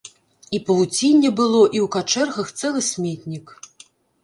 І павуцінне было, і ў качэргах цэлы сметнік.